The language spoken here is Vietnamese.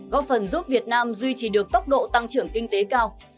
góp phần giúp việt nam duy trì được tốc độ tăng trưởng kinh tế cao